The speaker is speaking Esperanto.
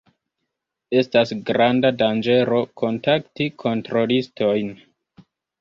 Estas granda danĝero kontakti kontrolistojn.